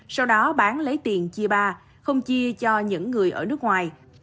sau đó bán lấy tiền chia ba không chia cho những người ở nước ngoài